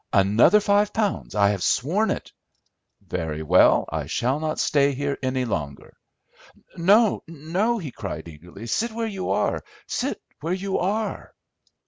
"Another five pounds, I have sworn it." "Very well, I shall not stay here any longer." "No, no," he cried eagerly; "sit where you are, sit where you are."